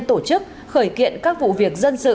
tổ chức khởi kiện các vụ việc dân sự